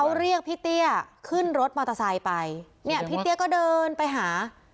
เขาเรียกพี่เตี้ยขึ้นรถมอเตอร์ไซค์ไปเนี่ยพี่เตี้ยก็เดินไปหา